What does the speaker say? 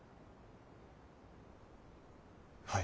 はい。